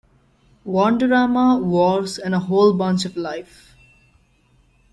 Wonderama, Wars and a Whole Bunch of Life.